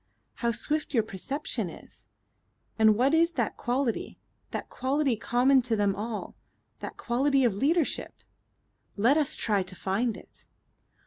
"How swift your perception is! And what is that quality that quality common to them all that quality of leadership? Let us try to find it."